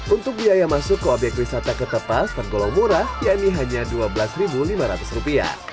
untuk biaya masuk ke obyek wisata ketepas tergolong murah yakni hanya rp dua belas lima ratus